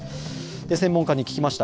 専門家に聞きました。